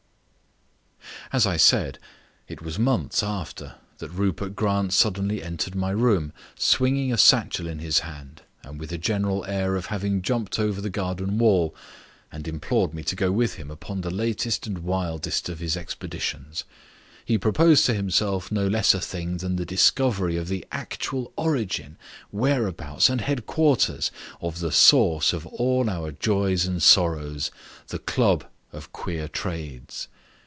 As I said, it was months after that Rupert Grant suddenly entered my room, swinging a satchel in his hand and with a general air of having jumped over the garden wall, and implored me to go with him upon the latest and wildest of his expeditions. He proposed to himself no less a thing than the discovery of the actual origin, whereabouts, and headquarters of the source of all our joys and sorrows the Club of Queer Trades.